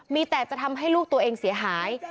มีแต่จะทำให้ลูกตัวเองเสียหาย